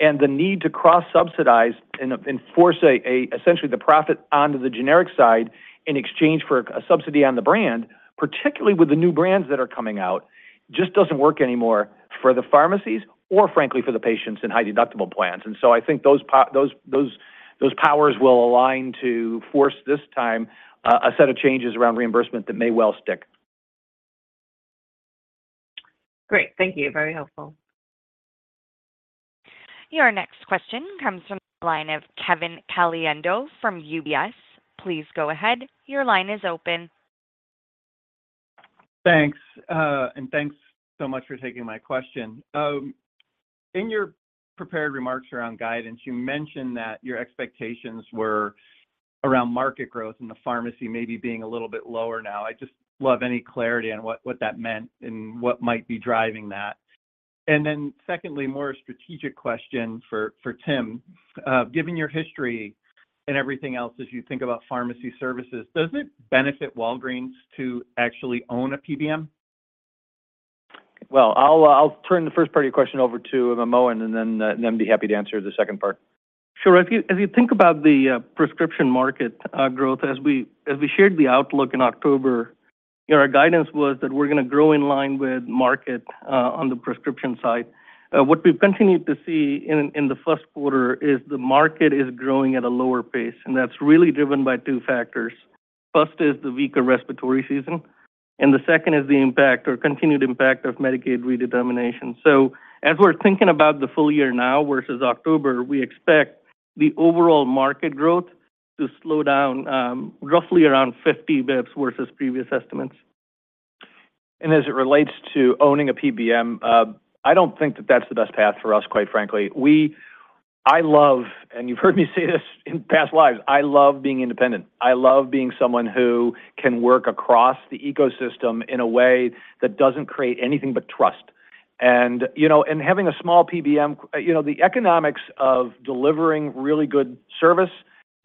and the need to cross-subsidize and force a, essentially the profit onto the generic side in exchange for a subsidy on the brand, particularly with the new brands that are coming out, just doesn't work anymore for the pharmacies or frankly, for the patients in high-deductible plans. And so I think those powers will align to force this time a set of changes around reimbursement that may well stick. Great. Thank you. Very helpful. Your next question comes from the line of Kevin Caliendo from UBS. Please go ahead. Your line is open. Thanks, and thanks so much for taking my question. In your prepared remarks around guidance, you mentioned that your expectations were around market growth, and the pharmacy maybe being a little bit lower now. I'd just love any clarity on what, what that meant and what might be driving that. And then secondly, more a strategic question for, for Tim. Given your history and everything else as you think about pharmacy services, does it benefit Walgreens to actually own a PBM? Well, I'll, I'll turn the first part of your question over to Mohan, and then, then be happy to answer the second part. Sure. If you, if you think about the prescription market growth, as we, as we shared the outlook in October, our guidance was that we're gonna grow in line with market on the prescription side. What we've continued to see in, in the first quarter is the market is growing at a lower pace, and that's really driven by two factors. First, is the weaker respiratory season, and the second is the impact or continued impact of Medicaid redetermination. So as we're thinking about the full year now versus October, we expect the overall market growth to slow down, roughly around 50 basis points versus previous estimates. As it relates to owning a PBM, I don't think that that's the best path for us, quite frankly. We—I love, and you've heard me say this in past lives, I love being independent. I love being someone who can work across the ecosystem in a way that doesn't create anything but trust. And, you know, and having a small PBM, you know, the economics of delivering really good service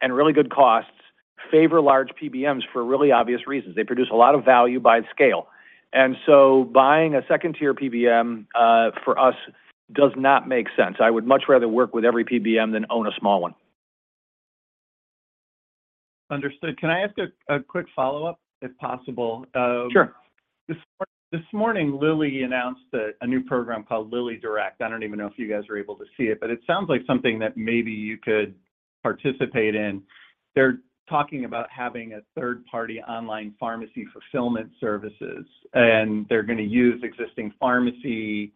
and really good costs favor large PBMs for really obvious reasons. They produce a lot of value by scale. And so buying a second-tier PBM, for us, does not make sense. I would much rather work with every PBM than own a small one. Understood. Can I ask a quick follow-up, if possible? Sure. This morning, Eli Lilly announced a new program called LillyDirect. I don't even know if you guys were able to see it, but it sounds like something that maybe you could participate in. They're talking about having a third-party online pharmacy fulfillment services, and they're gonna use existing pharmacies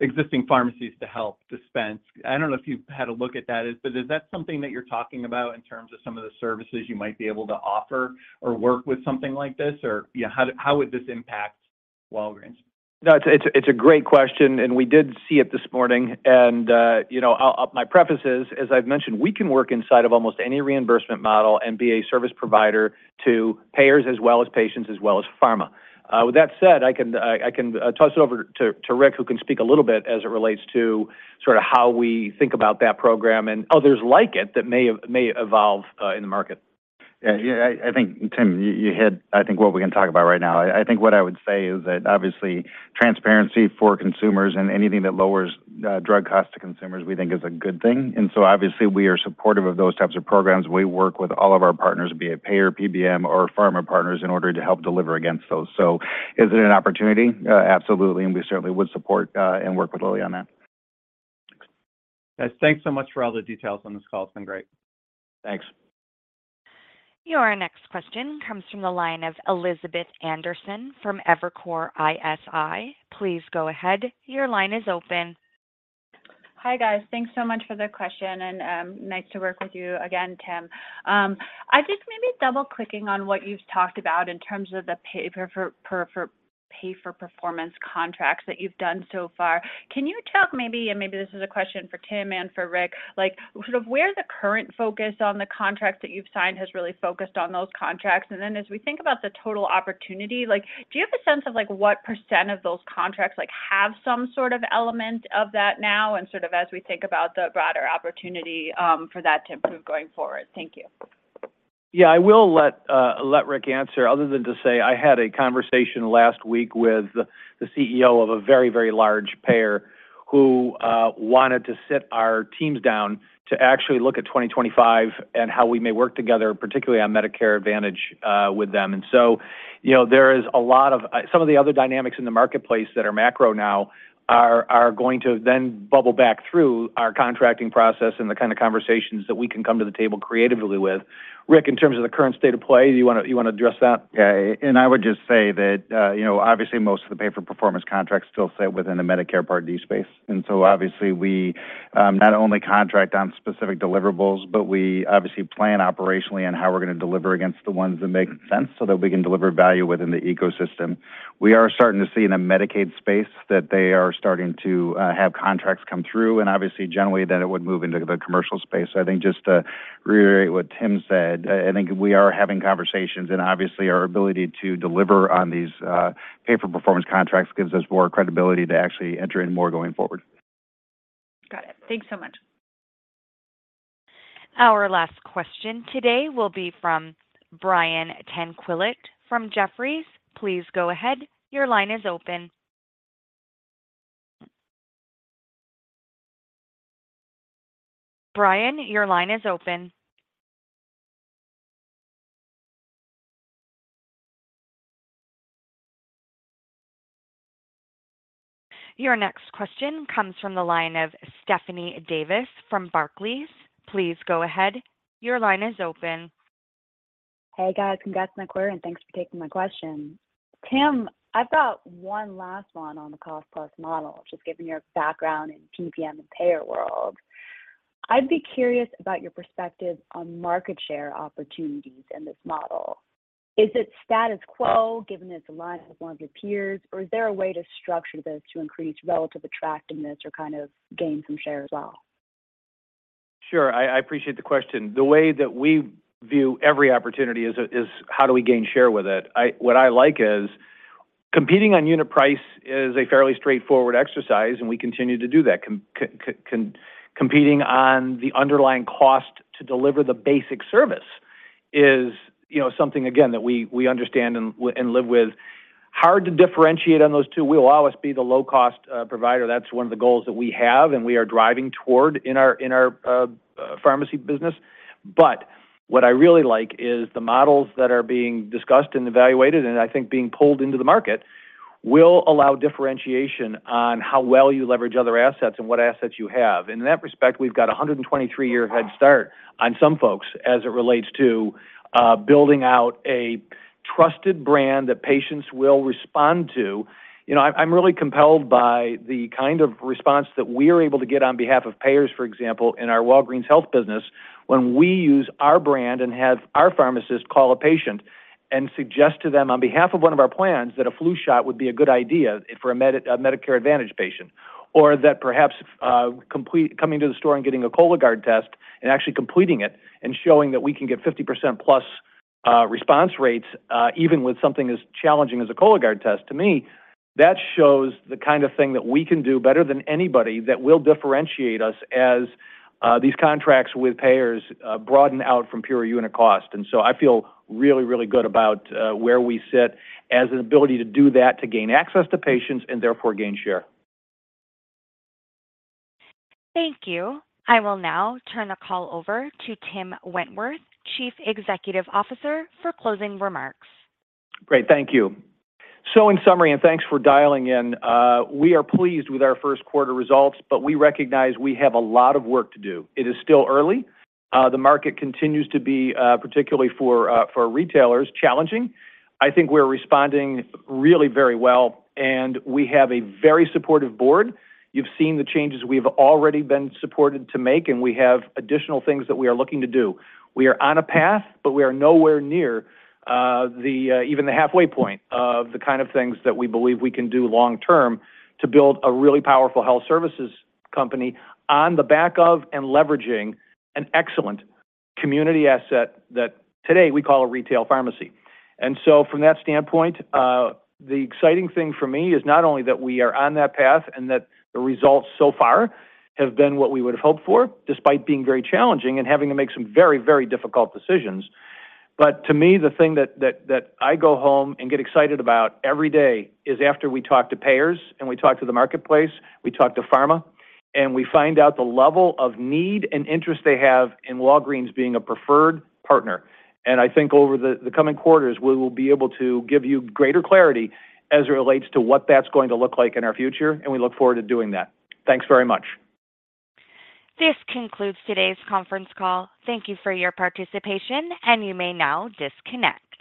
to help dispense. I don't know if you've had a look at that, but is that something that you're talking about in terms of some of the services you might be able to offer or work with something like this? Or, yeah, how would this impact Walgreens? No, it's a great question, and we did see it this morning. And, you know, my preface is, as I've mentioned, we can work inside of almost any reimbursement model and be a service provider to payers as well as patients, as well as pharma. With that said, I can toss it over to Rick, who can speak a little bit as it relates to sort of how we think about that program and others like it, that may evolve in the market. Yeah. I, I think, Tim, you hit, I think, what we can talk about right now. I, I think what I would say is that, obviously, transparency for consumers and anything that lowers drug costs to consumers, we think is a good thing. And so obviously, we are supportive of those types of programs. We work with all of our partners, be it payer, PBM, or pharma partners, in order to help deliver against those. So is it an opportunity? Absolutely, and we certainly would support and work with Eli Lilly on that. Guys, thanks so much for all the details on this call. It's been great. Thanks. Your next question comes from the line of Elizabeth Anderson from Evercore ISI. Please go ahead. Your line is open. Hi, guys. Thanks so much for the question, and, nice to work with you again, Tim. I just maybe double-clicking on what you've talked about in terms of the pay-for-performance contracts that you've done so far. Can you talk maybe, and maybe this is a question for Tim and for Rick, like sort of where the current focus on the contracts that you've signed has really focused on those contracts? And then, as we think about the total opportunity, like, do you have a sense of like, what percent of those contracts, like, have some sort of element of that now, and sort of as we think about the broader opportunity, for that to improve going forward? Thank you. Yeah, I will let let Rick answer, other than to say I had a conversation last week with the CEO of a very, very large payer who wanted to sit our teams down to actually look at 2025 and how we may work together, particularly on Medicare Advantage with them. And so, you know, there is a lot of... Some of the other dynamics in the marketplace that are macro now are going to then bubble back through our contracting process and the kind of conversations that we can come to the table creatively with. Rick, in terms of the current state of play, you wanna address that? Yeah, and I would just say that, you know, obviously, most of the pay-for-performance contracts still sit within the Medicare Part D space. So obviously, we not only contract on specific deliverables, but we obviously plan operationally on how we're gonna deliver against the ones that make sense, so that we can deliver value within the ecosystem. We are starting to see in the Medicaid space that they are starting to have contracts come through, and obviously, generally, then it would move into the commercial space. I think just to reiterate what Tim said, I, I think we are having conversations, and obviously, our ability to deliver on these pay-for-performance contracts gives us more credibility to actually enter in more going forward. Got it. Thanks so much. Our last question today will be from Brian Tanquilut from Jefferies. Please go ahead. Your line is open. Brian, your line is open.... Your next question comes from the line of Stephanie Davis from Barclays. Please go ahead. Your line is open. Hey, guys. Congrats on the quarter, and thanks for taking my question. Tim, I've got one last one on the cost-plus model, just given your background in PBM and payer world. I'd be curious about your perspective on market share opportunities in this model. Is it status quo, given it's aligned with one of your peers, or is there a way to structure this to increase relative attractiveness or kind of gain some share as well? Sure. I appreciate the question. The way that we view every opportunity is how do we gain share with it? What I like is competing on unit price is a fairly straightforward exercise, and we continue to do that. Competing on the underlying cost to deliver the basic service is, you know, something, again, that we understand and live with. Hard to differentiate on those two. We will always be the low-cost provider. That's one of the goals that we have, and we are driving toward in our pharmacy business. But what I really like is the models that are being discussed and evaluated, and I think being pulled into the market will allow differentiation on how well you leverage other assets and what assets you have. In that respect, we've got a 123-year head start on some folks as it relates to building out a trusted brand that patients will respond to. You know, I'm really compelled by the kind of response that we are able to get on behalf of payers, for example, in our Walgreens Health Services business, when we use our brand and have our pharmacist call a patient and suggest to them, on behalf of one of our plans, that a flu shot would be a good idea for a Medicare Advantage patient. Or that perhaps coming to the store and getting a Cologuard test and actually completing it and showing that we can get 50% plus response rates, even with something as challenging as a Cologuard test. To me, that shows the kind of thing that we can do better than anybody that will differentiate us as these contracts with payers broaden out from pure unit cost. And so I feel really, really good about where we sit as an ability to do that, to gain access to patients, and therefore, gain share. Thank you. I will now turn the call over to Tim Wentworth, Chief Executive Officer, for closing remarks. Great. Thank you. So in summary, and thanks for dialing in, we are pleased with our first quarter results, but we recognize we have a lot of work to do. It is still early. The market continues to be, particularly for retailers, challenging. I think we're responding really very well, and we have a very supportive board. You've seen the changes we've already been supported to make, and we have additional things that we are looking to do. We are on a path, but we are nowhere near even the halfway point of the kind of things that we believe we can do long term to build a really powerful health services company on the back of and leveraging an excellent community asset that today we call a retail pharmacy. So from that standpoint, the exciting thing for me is not only that we are on that path and that the results so far have been what we would have hoped for, despite being very challenging and having to make some very, very difficult decisions. But to me, the thing that I go home and get excited about every day is after we talk to payers and we talk to the marketplace, we talk to pharma, and we find out the level of need and interest they have in Walgreens being a preferred partner. And I think over the coming quarters, we will be able to give you greater clarity as it relates to what that's going to look like in our future, and we look forward to doing that. Thanks very much. This concludes today's conference call. Thank you for your participation, and you may now disconnect.